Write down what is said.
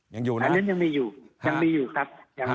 อย่าไม่อยู่ครับ